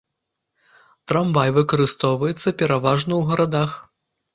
Трамвай выкарыстоўваецца пераважна ў гарадах.